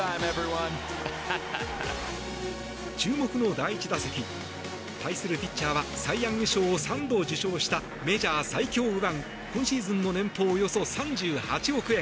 注目の第１打席対するピッチャーはサイ・ヤング賞を３度受賞したメジャー最強右腕今シーズンの年俸およそ３８億円